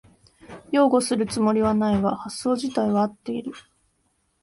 擁護するつもりはないが発想じたいは合ってる